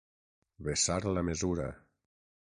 Vessar la mesura.